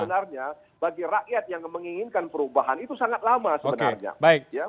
sebenarnya bagi rakyat yang menginginkan perubahan itu sangat lama sebenarnya